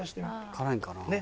辛いのかな？